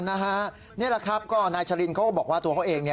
นี่แหละครับก็นายชรินเขาก็บอกว่าตัวเขาเอง